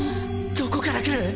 どこから来る？